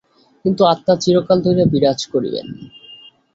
কিন্তু আত্মা চিরকাল ধরিয়া বিরাজ করিবেন।